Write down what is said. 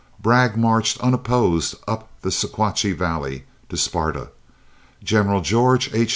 Bragg marched unopposed up the Sequatchie Valley to Sparta. General George H.